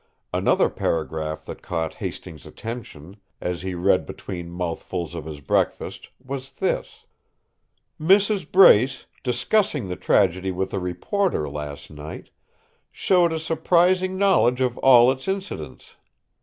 Another paragraph that caught Hastings' attention, as he read between mouthfuls of his breakfast, was this: "Mrs. Brace, discussing the tragedy with a reporter last night, showed a surprising knowledge of all its incidents.